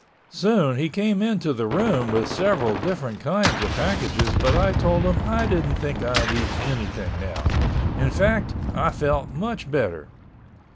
Soon he came into the room with several different kinds of packages but I told him I didn't think I needed anything now. In fact, I felt much better.